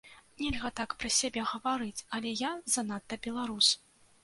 Нельга так пра сябе гаварыць, але я занадта беларус.